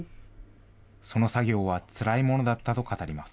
その作業はつらいものだったと語ります。